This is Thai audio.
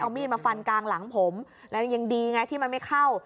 เอามีดมาฟันกลางหลังผมแล้วยังดีไงที่มันไม่เข้า